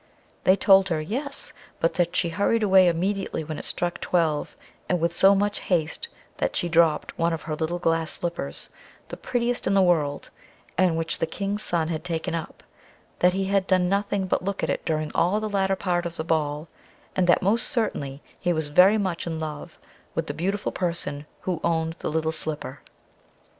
They told her, Yes, but that she hurried away immediately when it struck twelve, and with so much haste, that she dropped one of her little glass slippers, the prettiest in the world, and which the King's son had taken up; that he had done nothing but look at it during all the latter part of the ball, and that most certainly he was very much in love with the beautiful person who owned the little slipper.